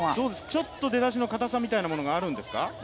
ちょっと出だしのかたさみたいなものもあるんですか？